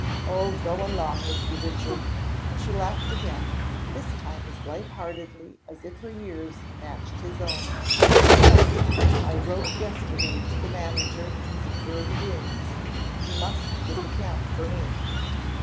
"Oh, go along with you, Richard," and she laughed again, this time as light heartedly as if her years matched his own. "Yes, I wrote yesterday to the manager to secure the rooms. You must get the camp for me."